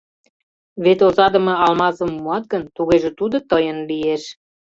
Вет озадыме алмазым муат гын, тугеже тудо тыйын лиеш.